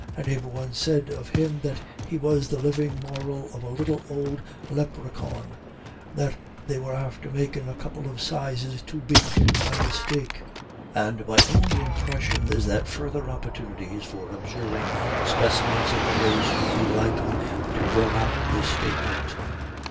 A neighbour once said of him that he was the living moral of a little ould lepreehawn that they were after making a couple of sizes too big by mistake; and my own impression is that further opportunities for observing specimens of the race would be likely to bear out this statement.